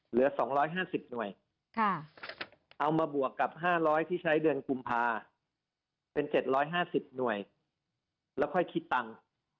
เหลือ๒๕๐หน่วยเอามาบวกกับ๕๐๐ที่ใช้เดือนกุมภาเป็น๗๕๐หน่วยแล้วค่อยคิดตังค์